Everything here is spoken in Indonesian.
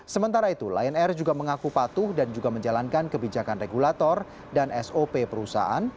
sementara itu lion air juga mengaku patuh dan juga menjalankan kebijakan regulator dan sop perusahaan